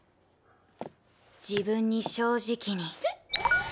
自分に正直に。